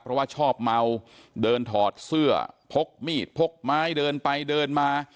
เพราะว่าชอบเมาเดินถอดเสื้อพกมีดพกไม้เดินไปเดินมา